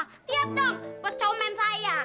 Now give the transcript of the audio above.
lihat dong pecomen saya